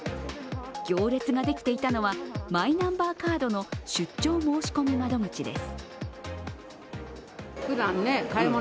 行列ができていたのはマイナンバーカードの出張申込窓口です。